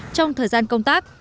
trong thời gian công tác